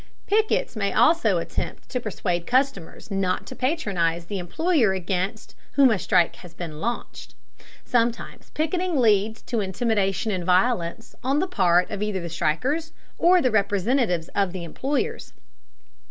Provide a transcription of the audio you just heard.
Pickets may also attempt to persuade customers not to patronize the employer against whom a strike has been launched. Sometimes picketing leads to intimidation and violence on the part of either strikers or representatives of the employers.